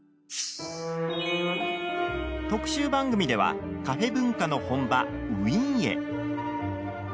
特集番組ではカフェ文化の本場、ウィーンへ。